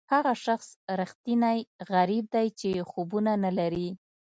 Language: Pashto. هغه شخص ریښتینی غریب دی چې خوبونه نه لري.